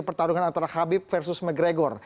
pertarungan antara habib versus mcgregor